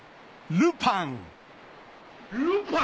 ルパン！